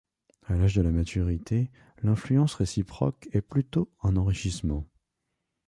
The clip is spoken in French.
À l'âge de la maturité, l'influence réciproque est plutôt un enrichissement.